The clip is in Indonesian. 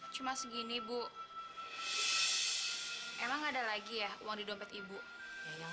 cuma segini bu emang ada lagi ya uang di dompet ibu yang